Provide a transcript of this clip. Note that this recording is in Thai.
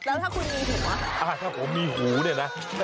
แล้วถ้าคุณมีหูหรือเปล่าอ่าถ้าผมมีหูเนี่ยนะ